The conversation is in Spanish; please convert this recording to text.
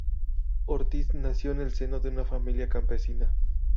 Ortiz nació en el seno de una familia campesina.